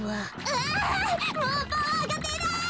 ああっもうパワーがでない！